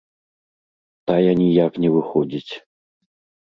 Тая ніяк не выходзіць.